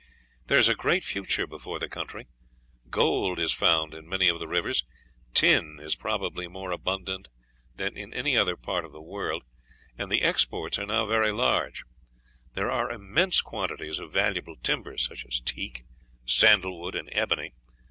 "There is a great future before the country; gold is found in many of the rivers, tin is probably more abundant than in any other part of the world, and the exports are now very large; there are immense quantities of valuable timber, such as teak, sandalwood, and ebony.